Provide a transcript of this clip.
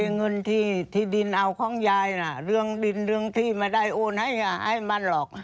เงินที่ดินเอาของยายน่ะเรื่องดินเรื่องที่ไม่ได้โอนให้ให้มันหรอก